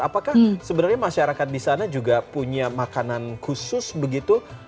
apakah sebenarnya masyarakat disana juga punya makanan khusus begitu